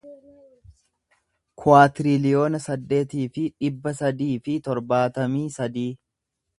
kuwaatiriliyoona saddeetii fi dhibba sadii fi torbaatamii sadii